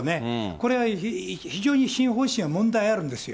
これは非常に新方針は問題あるんですよ。